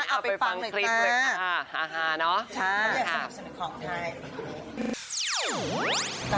เอาไปฟังคลิปเลยค่ะอ่าอ่าเนอะใช่ขอบคุณครับ